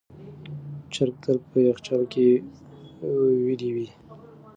چرګ تل په یخچال کې ویلوئ.